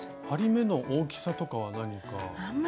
針目の大きさとかは何か。